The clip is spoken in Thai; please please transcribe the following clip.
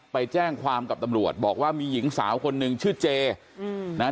ไปแจ้งความกับตำรวจบอกว่ามีหญิงสาวคนหนึ่งชื่อเจอืมนะฮะ